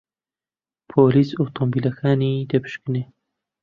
پۆلیس ئۆتۆمۆبیلەکانی دەپشکنی.